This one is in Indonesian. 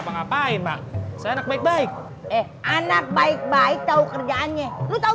neka teman saya bastard